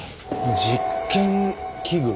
実験器具？